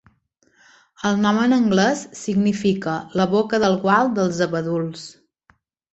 El nom en anglès significa "La Boca del Gual dels Abeduls".